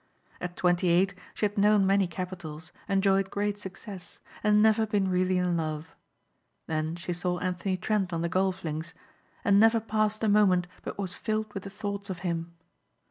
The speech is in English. At twenty eight she had known many capitals, enjoyed great success and never been really in love. Then she saw Anthony Trent on the golf links and never passed a moment but was filled with thoughts of him.